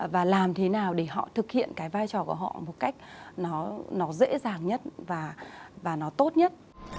và làm thế nào để họ thực hiện cái vai trò của họ một cách nó dễ dàng nhất và nó tốt nhất